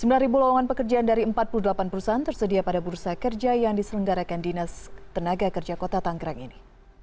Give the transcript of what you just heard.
sembilan lowongan pekerjaan dari empat puluh delapan perusahaan tersedia pada bursa kerja yang diselenggarakan dinas tenaga kerja kota tanggerang ini